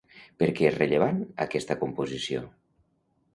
Per què és rellevant aquesta composició?